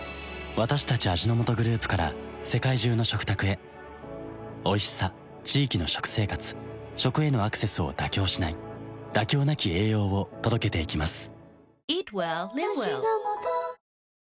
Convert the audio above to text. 私たち味の素グループから世界中の食卓へおいしさ地域の食生活食へのアクセスを妥協しない「妥協なき栄養」を届けていきます